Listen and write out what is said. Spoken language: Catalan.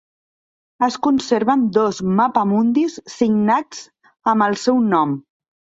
Es conserven dos mapamundis signats amb el seu nom.